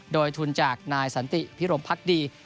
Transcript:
โดยทุนจากนายสันติพิรมพักดี